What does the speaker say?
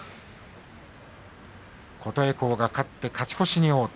琴恵光が勝って勝ち越しに王手。